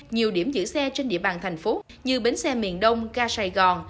nhiều điểm giữ xe trên địa bàn thành phố như bến xe miền đông ga sài gòn